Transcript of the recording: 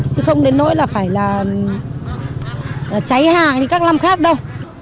chứ không đến nỗi phải cháy hàng như các năm khác đâu